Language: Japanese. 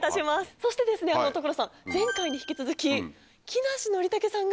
そして所さん前回に引き続き木梨憲武さんが。